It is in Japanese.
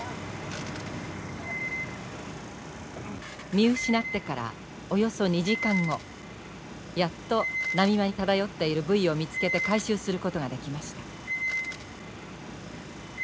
見失ってからおよそ２時間後やっと波間に漂っているブイを見つけて回収することができました。